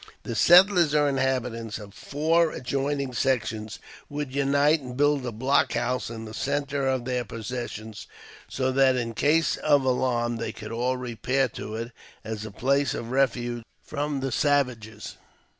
The settlers or inhabitants of four adjoining sections would unite and build a block house in the centre of their possessions, so that in case of alarm they could all repair to it as a place of refuge from the savages.